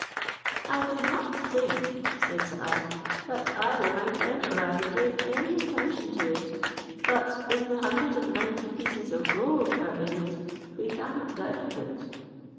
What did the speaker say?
"I do not think," said Saad, "that either my friend or I gave any attention to it; but if the hundred and ninety pieces of gold are in it, we cannot doubt of it."